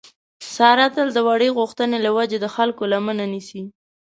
ساره تل د وړې غوښتنې له وجې د خلکو لمنه نیسي.